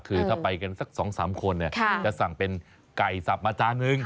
คือถ้าไปกันสักสองสามคนเนี่ยจะสั่งเป็นไก่สับมาจานหนึ่ง